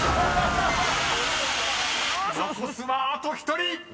［残すはあと１人！］